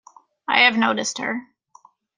I have noticed her.